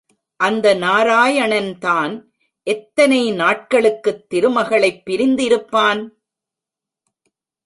அந்த நாராயணன் தான் எத்தனை நாட்களுக்குத் திருமகளைப் பிரிந்து இருப்பான்?